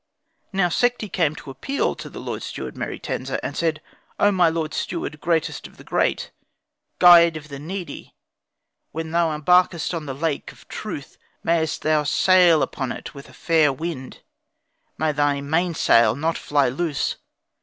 Now Sekhti came to appeal to the Lord Steward Meruitensa, and said, "O my Lord Steward, greatest of the great, guide of the needy: When thou embarkest on the lake of truth, Mayest thou sail upon it with a fair wind; May thy mainsail not fly loose.